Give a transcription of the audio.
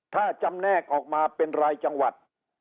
ถ้าจำแนกออกมาเป็นรายจังหวัด